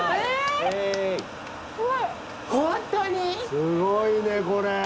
すごいねこれ！